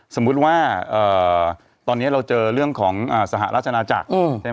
สมมุติว่าตอนนี้เราเจอเรื่องของสหราชนาจักรใช่ไหม